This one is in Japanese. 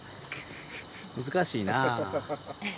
難しいな。